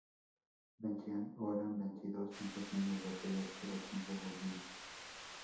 Vencían o eran vencidos en pequeñas batallas, pero siempre volvían.